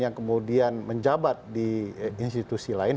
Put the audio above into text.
yang kemudian menjabat di institusi lain